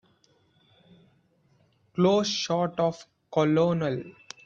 Close shot of the COLONEL.